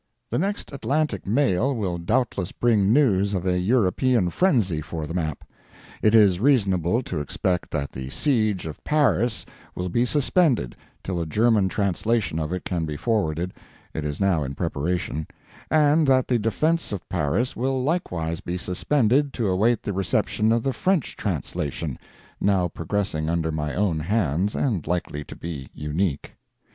The next Atlantic mail will doubtless bring news of a European frenzy for the map. It is reasonable to expect that the siege of Paris will be suspended till a German translation of it can be forwarded (it is now in preparation), and that the defence of Paris will likewise be suspended to await the reception of the French translation (now progressing under my own hands, and likely to be unique).